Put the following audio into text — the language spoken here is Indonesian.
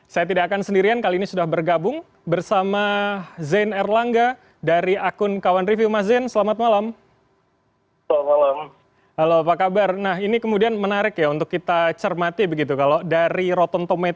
saya tidak akan sendirian kali ini sudah bergabung bersama zain erlangga dari akun kawan review mas zain selamat malam